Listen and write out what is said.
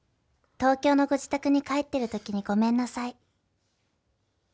「東京のご自宅に帰っている時にごめんなさい」